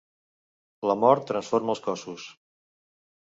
La mort transforma els cossos.